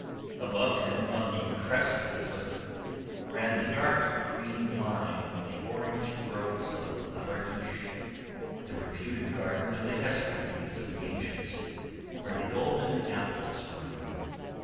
Above him on the crest of the cliff ran the dark green line of the orange groves of Araish—the reputed Garden of the Hesperides of the ancients, where the golden apples grew.